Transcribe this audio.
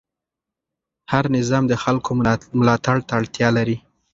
هر نظام د خلکو ملاتړ ته اړتیا لري